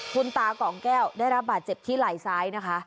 คุณตากล่องแก้วได้รับบาดเจ็บที่ไหล่ซ้ายนะคะ